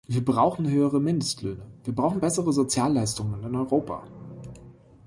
Wir brauchen höhere Mindestlöhne, wir brauchen bessere Sozialleistungen in Europa.